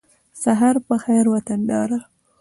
سهار په خېر وطنداره